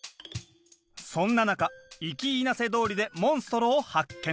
そんな中イキイナセ通りでモンストロを発見。